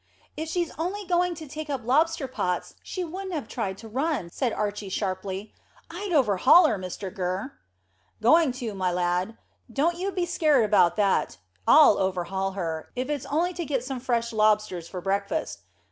"If she was only going to take up lobster pots she wouldn't have tried to run," said Archy sharply. "I'd overhaul her, Mr Gurr." "Going to, my lad. Don't you be scared about that. I'll overhaul her, if it's only to get some fresh lobsters for breakfast.